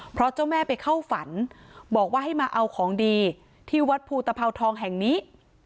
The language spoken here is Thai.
เพราะเจ้าแม่ไปเข้าฝันบอกว่าให้มาเอาของดีที่วัดภูตภาวทองแห่งนี้